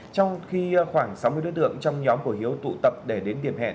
trong khi khoảng sáu mươi đối tượng trong nhóm của hiếu tụ tập để đến điểm hẹn